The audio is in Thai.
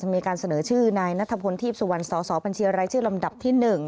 มีการเสนอชื่อนายนัทพลทีพสุวรรณสสบัญชีรายชื่อลำดับที่๑